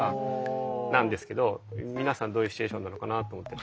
皆さんどういうシチュエーションなのかなと思って。